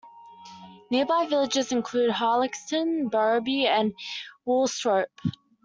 Nearby villages include Harlaxton, Barrowby and Woolsthorpe.